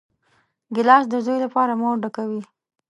ګیلاس د زوی لپاره مور ډکوي.